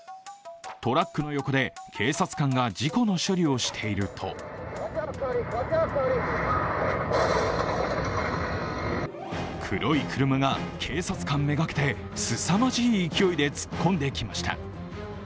トラックの横で警察官が事故の処理をしていると黒い車が警察官目がけて、すさまじい勢いで突っ込んできました。